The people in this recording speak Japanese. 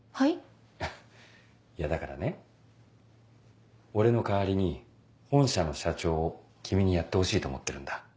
いやだからね俺の代わりに本社の社長を君にやってほしいと思ってるんだ。